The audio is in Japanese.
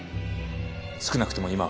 少なくとも今は